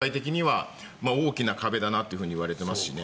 これもラーメン業界的には大きな壁だなといわれていますしね。